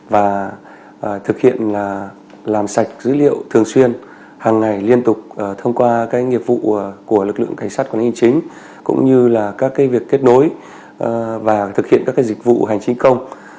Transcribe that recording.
và thực hiện là làm sạch dữ liệu thường xuyên hàng ngày liên tục thông qua các nghiệp vụ của lực lượng cảnh sát quản lý chính cũng như là các cái việc kết nối và thực hiện các cái dịch vụ hành chính công